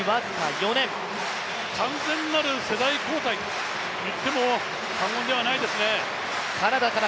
完全なる世代交代と言っても過言ではないですね。